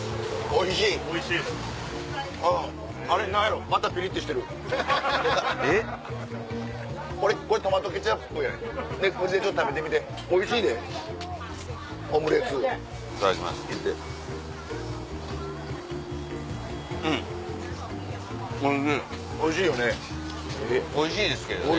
おいしいですけどね